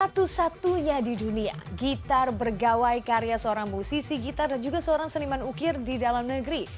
satu satunya di dunia gitar bergawai karya seorang musisi gitar dan juga seorang seniman ukir di dalam negeri